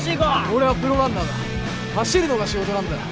俺はプロランナーだ走るのが仕事なんだよ